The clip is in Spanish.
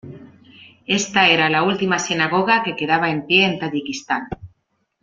Esta era la última sinagoga que quedaba en pie en Tayikistán.